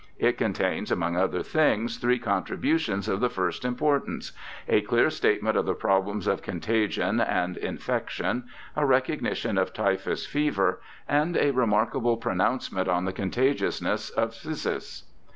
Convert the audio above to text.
It contains among other things three contributions of the first importance — a clear statement of the problems of contagion and infection, a recognition of typhus fever, and a remarkable pronouncement on the contagiousness of phthisis.